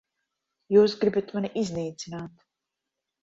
Jūs gribat mani iznīcināt.